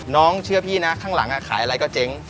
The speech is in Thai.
เชื่อพี่นะข้างหลังขายอะไรก็เจ๊ง